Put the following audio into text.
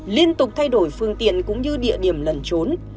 liên tục thay đổi phương tiện cũng như địa điểm lẩn trốn